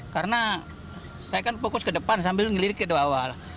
karena saya kan fokus ke depan sambil ngelirik itu awal